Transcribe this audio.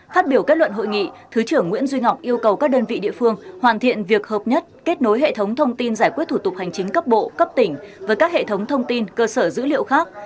phát biểu kết luận hội nghị thứ trưởng nguyễn duy ngọc yêu cầu các đơn vị địa phương hoàn thiện việc hợp nhất kết nối hệ thống thông tin giải quyết thủ tục hành chính cấp bộ cấp tỉnh với các hệ thống thông tin cơ sở dữ liệu khác